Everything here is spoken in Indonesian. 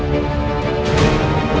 cepat tangkap dia